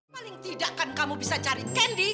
paling tidak kan kamu bisa cari candi